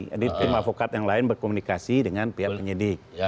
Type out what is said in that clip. jadi tim avokat yang lain berkomunikasi dengan pihak penyidik